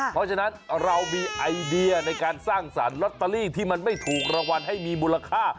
เพราะฉะนั้นเรามีไอเดียในการสร้างสรรค์ลอตเตอรี่ที่มันไม่ถูกรางวัลให้มีมูลค่า